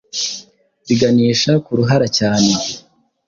biganisha ku ruhara cyane